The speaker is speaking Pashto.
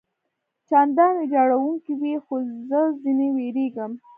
چندان ویجاړوونکي وي، خو زه ځنې وېرېږم.